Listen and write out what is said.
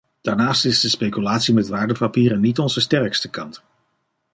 Daarnaast is de speculatie met waardepapieren niet onze sterkste kant.